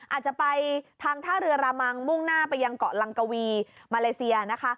อาจจะไปทางท่าเรือรามังมุ่งหน้าไปยังเกาะลังกวีมาเลเซียนะคะ